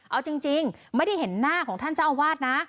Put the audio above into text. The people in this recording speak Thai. เอาจริงไม่ได้เห็นหน้าของท่านเจ้าอาวาสนะ